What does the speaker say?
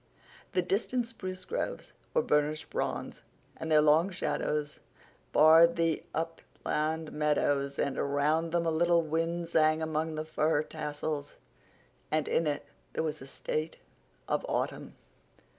The distant spruce groves were burnished bronze, and their long shadows barred the upland meadows. But around them a little wind sang among the fir tassels, and in it there was the note of autumn.